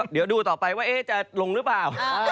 เดี๋ยวดูต่อไปว่าจะลงหรือเปล่า